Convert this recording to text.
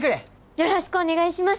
よろしくお願いします！